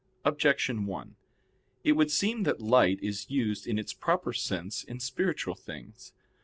Objection 1: It would seem that "light" is used in its proper sense in spiritual things.